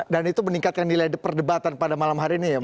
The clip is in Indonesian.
dan itu meningkatkan nilai perdebatan pada malam hari ini ya pak